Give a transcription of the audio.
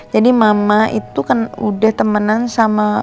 jadi mama itu kan udah temenan sama